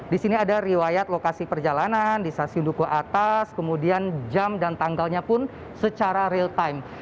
di sini ada riwayat lokasi perjalanan di stasiun duku atas kemudian jam dan tanggalnya pun secara real time